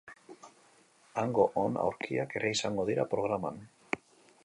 Hango on aurkiak ere izango dira programan.